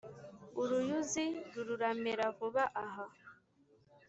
uruyuzi rururamera vuba aha